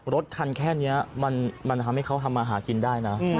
รถคันแค่นี้มันทำให้เขาทำมาหากินได้นะ